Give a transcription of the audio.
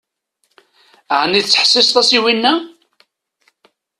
Ɛni tettḥessiseḍ-as i winna?